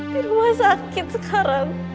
di rumah sakit sekarang